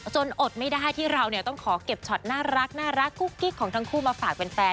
อดไม่ได้ที่เราต้องขอเก็บช็อตน่ารักกุ๊กกิ๊กของทั้งคู่มาฝากแฟน